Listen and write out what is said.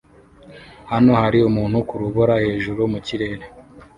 Hano hari umuntu kurubura hejuru mu kirere